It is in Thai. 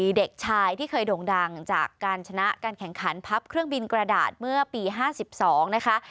มีเด็กชายที่เคยโด่งดังจากการชนะการแข่งขันพับเครื่องบินกระดาษเมื่อปี๕๒นะคะ